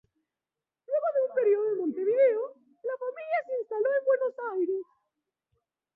Luego de un período en Montevideo, la familia se instaló en Buenos Aires.